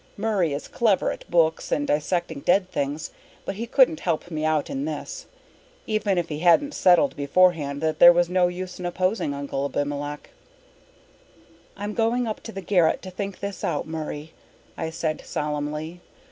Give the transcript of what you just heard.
Murray is clever at books and dissecting dead things, but he couldn't help me out in this, even if he hadn't settled beforehand that there was no use in opposing Uncle Abimelech. "I'm going up to the garret to think this out, Murray," I said solemnly.